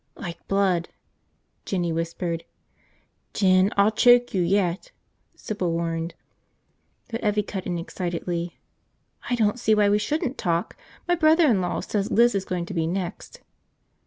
"Like blood," Jinny whispered. "Jin, I'll choke you yet!" Sybil warned. But Evvie cut in excitedly. "I don't see why we shouldn't talk! My brother in law says Liz is going to be next."